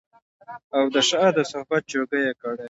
او د شاه د صحبت جوګه يې کړي